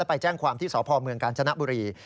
แล้วไปแจ้งความที่สพกชนะบุรี